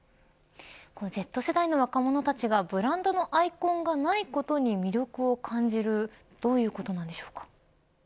Ｚ世代の若者たちがブランドのアイコンがないことに魅力を感じるどういうことなんでしょうか。